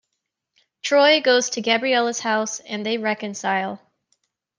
Troy goes to Gabriella's house and they reconcile.